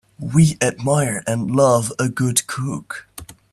We admire and love a good cook.